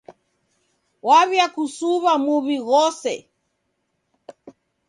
Waw'iakusuw'a muw'i ghose.